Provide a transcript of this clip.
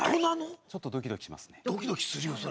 ちょっとドキドキしますね。